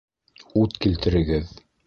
Ут килтерегеҙ!